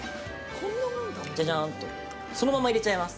ジャジャンとそのまま入れちゃいます。